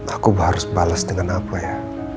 aku harus balas dengan apa ya